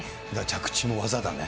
着地も技だね。